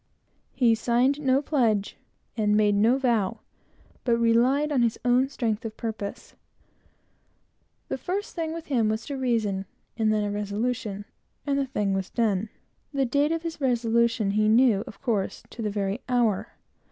He signed no pledge, and made no vow, but relied on his own strength of purpose. The first thing with him was a reason, and then a resolution, and the thing was done. The date of his resolution he knew, of course, to the very hour.